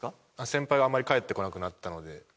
先輩はあんまり帰ってこなくなったので。